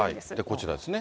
こちらですね。